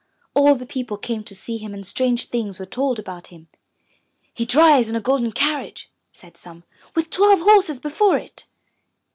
All the people came to see him and strange things were told about him. '*He drives in a golden carriage/' said some, *Vith twelve horses before it.''